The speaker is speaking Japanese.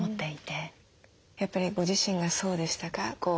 やっぱりご自身がそうでしたか？